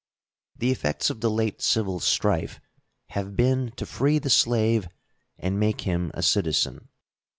The effects of the late civil strife have been to free the slave and make him a citizen.